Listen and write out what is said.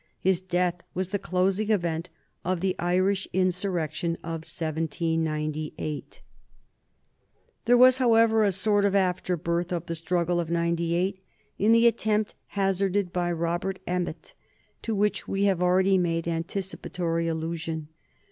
His death was the closing event of the Irish insurrection of 1798. [Sidenote: 1778 1803 Robert Emmet] There was, however, a sort of afterbirth of the struggle of "Ninety Eight" in the attempt hazarded by Robert Emmet, to which we have already made anticipatory allusion.